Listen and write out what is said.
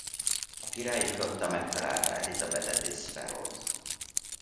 A Királyi Flotta megtalálja Elizabethet és Sparrowt.